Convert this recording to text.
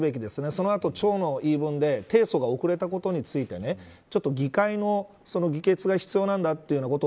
そのあと、町の言い分で提訴が遅れたことについて議会の議決が必要なんだということ